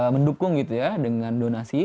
mendukung gitu ya dengan donasi